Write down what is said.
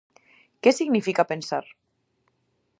Que significa pensar?